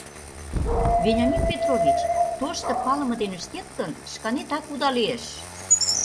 Вениамин Петрович, тошто палыме дене ыштет гын, шканетак уда лиеш...